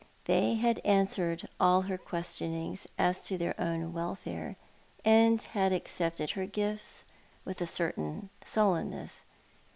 They had answered all her questionings as to their own welfare, and had accepted her gifts with a certain suUenness.